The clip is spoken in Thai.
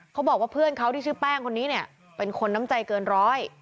เขาบอกว่าเพื่อนเขาที่ชื่อแป้งคนนี้เนี่ยเป็นคนน้ำใจเกินร้อย